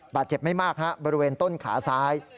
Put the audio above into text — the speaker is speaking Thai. บาดเจ็บไม่มากฮะบริเวณต้นขาซ้าย